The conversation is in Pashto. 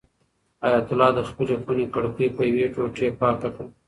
حیات الله د خپلې خونې کړکۍ په یوې ټوټې پاکه کړه.